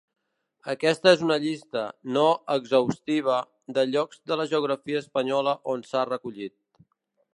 Aquesta és una llista, no exhaustiva, de llocs de la geografia espanyola on s'ha recollit.